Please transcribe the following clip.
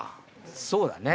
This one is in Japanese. そうだね